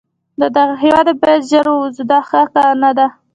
له دغه هیواده باید ژر ووزو، دا ښه نه ده.